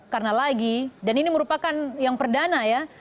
karena lagi dan ini merupakan yang perdana ya